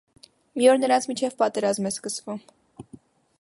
Մի օր նրանց միջև պատերազմ է սկսվում։